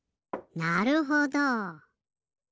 なるほど。